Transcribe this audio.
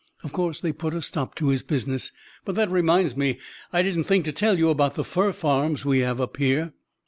Of course, they put a stop to his business. But that reminds me I didn't think to tell you about the fur farms we have up here."